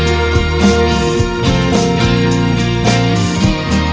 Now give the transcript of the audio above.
tapi masalahnya juga hal berat mesin